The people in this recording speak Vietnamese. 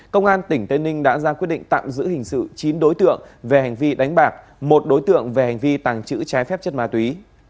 công an tỉnh tây ninh đã ra quyết định tạm giữ hình sự chín đối tượng về hành vi đánh bạc một đối tượng về hành vi tàng trữ trái phép chất ma túy